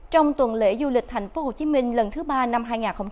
trong tuần lễ du lịch thành phố hồ chí minh lần thứ ba năm hai nghìn hai mươi ba